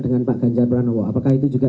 dengan pak ganjar pranowo apakah itu juga